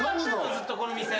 ずっとこの店。